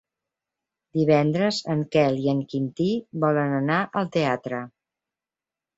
Divendres en Quel i en Quintí volen anar al teatre.